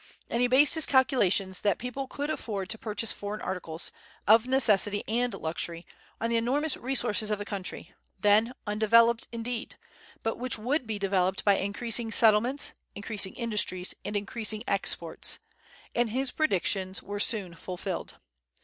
And he based his calculations that people could afford to purchase foreign articles, of necessity and luxury, on the enormous resources of the country, then undeveloped, indeed, but which would be developed by increasing settlements, increasing industries, and increasing exports; and his predictions were soon fulfilled.